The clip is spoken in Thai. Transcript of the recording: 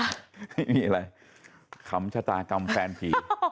นี่อะไรขำชะตากรรมแฟนผี